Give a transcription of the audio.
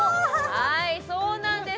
はいそうなんです